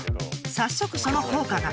早速その効果が。